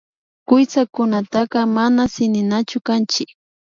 Kuytsakunataka mana tsininachu kanchik